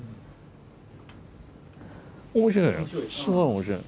面白い。